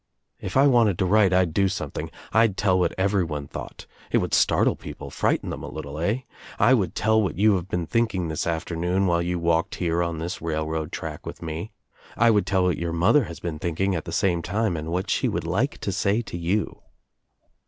"If I wanted to write I'd do something. I'd tell Bat everyone thought. It would startle people, pghten them a little, eh? I would tell what you have been thinking this afternoon while you walked here on this railroad track with me. I would tell what your mother has been thinking at the same time and what she would like to say to you."